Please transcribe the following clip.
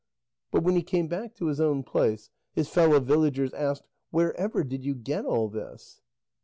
But when he came back to his own place, his fellow villagers asked: "Wherever did you get all this?"